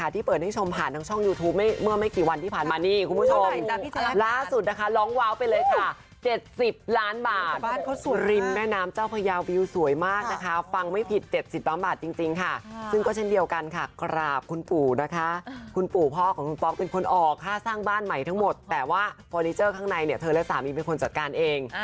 แต่ว่าเฟอร์นิเจอร์ข้างในเธอและสามีเป็นคนจัดการเอง